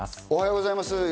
おはようございます。